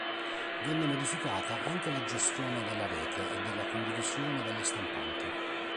Venne modificata anche la gestione della rete e della condivisione delle stampanti.